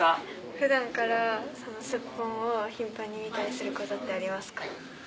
普段からスッポンを頻繁に見たりすることってありますか？